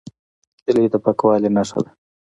هیلۍ د پاکوالي نښه ده